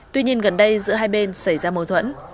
tuy nhiên gần đây giữa hai bên xảy ra mâu thuẫn